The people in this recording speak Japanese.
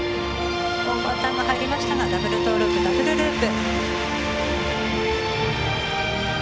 オーバーターンが入りましたがダブルトーループダブルループ。